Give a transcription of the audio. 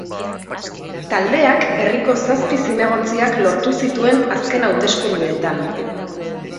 Taldeak herriko zazpi zinegotziak lortu zituen azken hauteskundeetan.